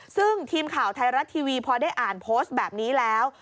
ซึ่งทีมข่าวไทยรัฐทีวีพอได้อ่านโพสต์แบบนี้แล้ว